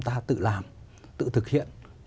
ta tự làm tự thực hiện